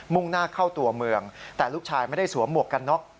่งหน้าเข้าตัวเมืองแต่ลูกชายไม่ได้สวมหมวกกันน็อก